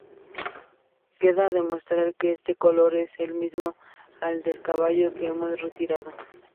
Queda demostrar que este color es el mismo al del caballo que hemos retirado.